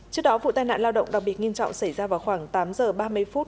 trước đó vụ tai nạn lao động đặc biệt nghiêm trọng xảy ra vào khoảng tám giờ ba mươi phút